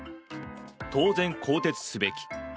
当然、更迭すべき。